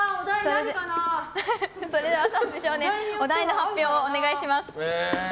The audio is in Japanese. それでは澤部少年お題の発表をお願いします。